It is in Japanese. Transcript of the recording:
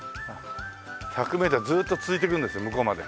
１００メーターずっと続いてくんです向こうまで。